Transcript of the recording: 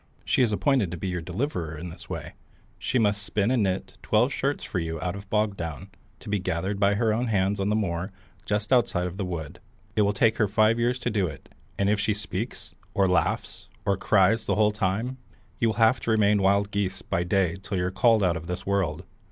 She is appointed to be your deliverer in this way. She must spin and knit twelve shirts for you out of bog down, to be gathered by her own hands on the moor just outside of the wood. It will take her five years to do it, and if she once speaks, or laughs, or cries the whole time, you will have to remain wild geese by day till you're called out of the world.